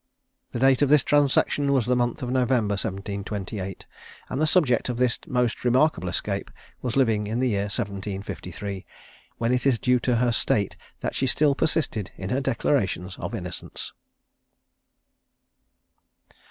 The date of this transaction was the month of November, 1728; and the subject of this most remarkable escape was living in the year 1753, when it is due to her to state that she still persisted in her declarations of innocence.